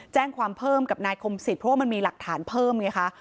แจ้งความเพิ่มกับนายคมสิทธิเพราะว่ามันมีหลักฐานเพิ่มไงคะ